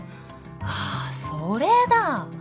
あぁそれだ。